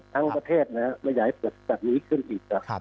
ทั้งประเทศอยากให้เปิดแบบนี้ขึ้นอีก